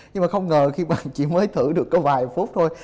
nhưng mà không ngờ khi hoàng trí mới thử được có vài phút thôi